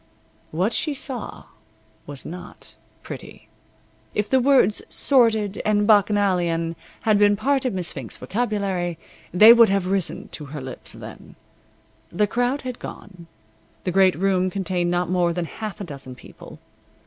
What she saw was not pretty. If the words sordid and bacchanalian had been part of Miss Fink's vocabulary they would have risen to her lips then. The crowd had gone. The great room contained not more than half a dozen people.